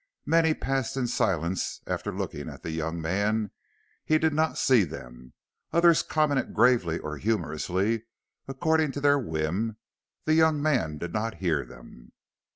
Many passed in silence after looking at the young man he did not see them. Others commented gravely or humorously according to their whim the young man did not hear them.